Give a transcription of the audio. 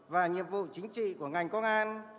và nhiệm vụ chính trị của ngành công an